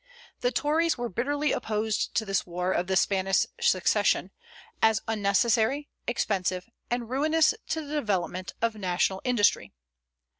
The Tories were bitterly opposed to this war of the Spanish succession, as unnecessary, expensive, and ruinous to the development of national industry.